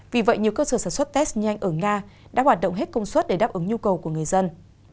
vì vậy nhiều cơ sở sản xuất test nhanh ở nga đã hoạt động hết công suất để đáp ứng nhu cầu của người dân